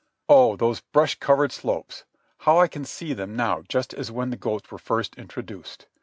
Oh, those brush covered slopes! How I can see them now just as when the goats were first introduced.